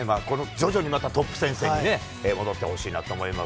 徐々にまたトップ戦線に戻ってほしいなと思います。